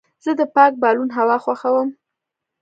زه د پاک بالون هوا خوښوم.